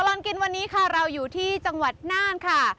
ตลอดกินวันนี้ค่ะเราอยู่ที่จังหวัดน่านค่ะ